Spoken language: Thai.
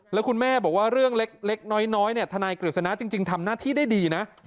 แล้วคุณแม่บอกว่าเรื่องเล็กน้อยทนายกฤษณะจริงทำหน้าที่ได้ดีนะ